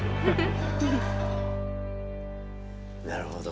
なるほど。